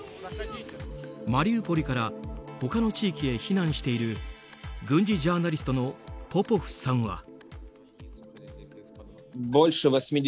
マリウポリから他の地域へ避難している軍事ジャーナリストのポポフさんは。